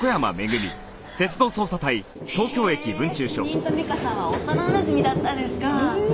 何年ぶり？へえ主任と美香さんは幼なじみだったんですか。